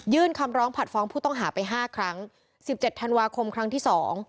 คำร้องผัดฟ้องผู้ต้องหาไปห้าครั้งสิบเจ็ดธันวาคมครั้งที่สอง